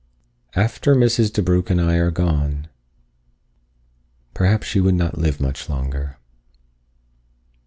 "After _Mrs. DeBrugh+ and I are gone." Perhaps she would not live much longer.